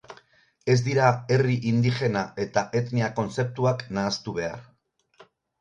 Ez dira herri indigena eta etnia kontzeptuak nahastu behar.